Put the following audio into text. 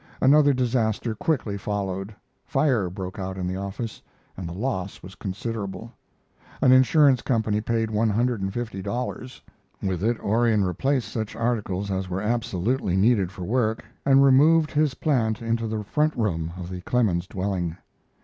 Another disaster quickly followed. Fire broke out in the office, and the loss was considerable. An insurance company paid one hundred and fifty dollars. With it Orion replaced such articles as were absolutely needed for work, and removed his plant into the front room of the Clemens dwelling.